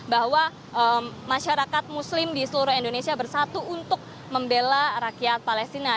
bahwa masyarakat muslim di seluruh indonesia bersatu untuk membela rakyat palestina